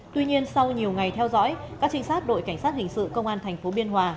tuy nhiên sau nhiều ngày theo dõi các trinh sát đội cảnh sát hình sự công an thành phố biên hòa